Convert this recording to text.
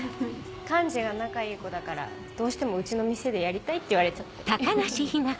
幹事が仲いい子だからどうしてもうちの店でやりたいって言われちゃってフフフ。